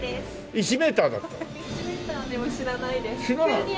１メーターでも死なないです。